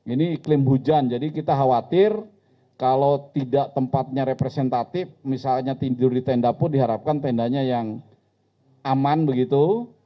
ini iklim hujan jadi kita khawatir kalau tidak tempatnya representatif misalnya tidur di tenda pun diharapkan tendanya yang aman begitu